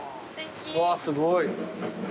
うわすごい。